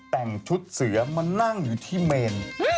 แต่งชุดเสือมานั่งอยู่ที่เมน